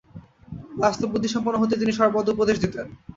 বাস্তববুদ্ধিসম্পন্ন হতেই তিনি সর্বদা উপদেশ দিতেন।